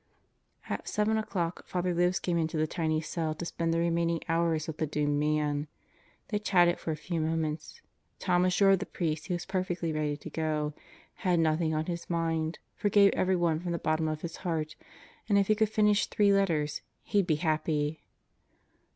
At seven o'clock Father Libs came into the tiny cell to spend the remaining hours with the doomed man. They chatted for a few moments. Tom assured the priest he was perfectly ready to go; had nothing on his mind; forgave everyone from the bottom of his heart; and if he could finish three letters he'd be happy.